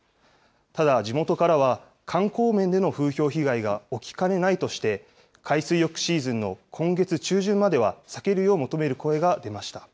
ただ、地元からは、観光面での風評被害が起きかねないとして、海水浴シーズンの今月中旬までは避けるよう求める声が出ました。